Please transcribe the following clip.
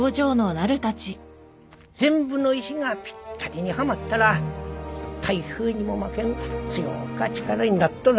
全部の石がぴったりにはまったら台風にも負けん強か力になっとぞ。